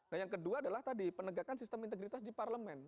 dan yang kedua adalah tadi penegakan sistem integritas di parlemen